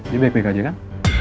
dia baik baik aja kan